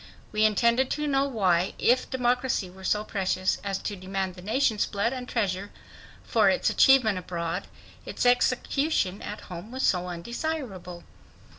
We intended to know why, if democracy were so precious as to demand the nation's blood and treasure for its achievement abroad, its execution at home was so undesirable.